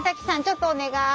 ちょっとお願い。